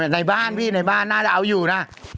ในบ้านพี่ในบ้านน่าจะเอาอยู่นะ